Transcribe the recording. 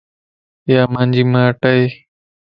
ايا مانجي ماٽ ائي